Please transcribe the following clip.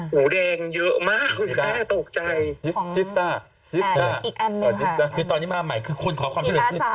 หูแดงเยอะมากคุณแม่ตกใจจิตตาจิตตาอีกอันนึงค่ะคือตอนนี้มาใหม่คือคนขอความช่วยเหลือ